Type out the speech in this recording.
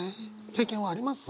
経験はあります？